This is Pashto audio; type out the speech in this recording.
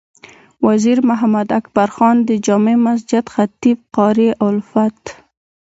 وزیر محمد اکبر خان د جامع مسجد خطیب قاري الفت،